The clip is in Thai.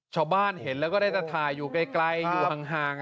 ชาวบ้านเห็นแล้วก็ได้แต่ถ่ายอยู่ไกลอยู่ห่าง